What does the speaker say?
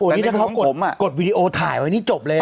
อันนี้ถ้าเขากดวีดีโอถ่ายว่านี่จบเลยนะ